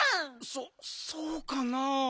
そっそうかなあ。